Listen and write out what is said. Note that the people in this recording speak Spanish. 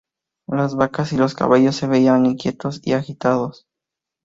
Las vacas y los caballos se veían inquietos y agitados.